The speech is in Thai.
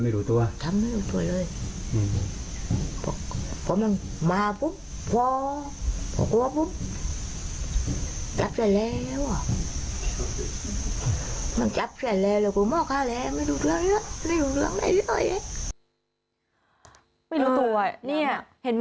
ไม่รู้ตัวเห็นไหม